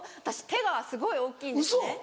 私手がすごい大きいんですね。